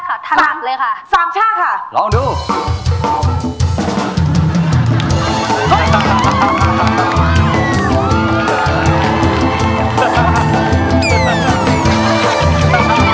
ถ้าพร้อมแล้วขอเชิญพบกับคุณลูกบาท